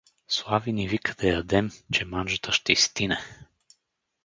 Слави ни вика да ядем, че манджата ще изстине…!